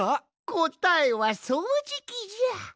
こたえはそうじきじゃ！